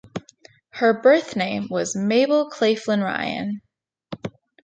Her birth name was Mabel Claflin Ryan.